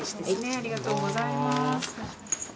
ありがとうございます。